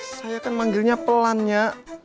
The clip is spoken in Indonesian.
saya kan manggilnya pelan ya